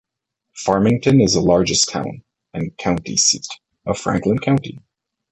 Farmington is the largest town, and county seat, of Franklin County.